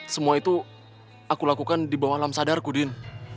semua itu aku lakukan di bawah alam sadarku din